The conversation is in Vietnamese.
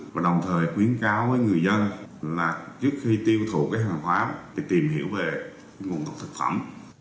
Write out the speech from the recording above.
và đồng thời khuyến cáo với người dân là trước khi tiêu thụ cái hàng hóa để tìm hiểu về nguồn gốc thực phẩm